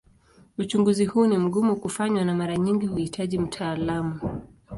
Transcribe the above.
Uchunguzi huu ni mgumu kufanywa na mara nyingi huhitaji mtaalamu.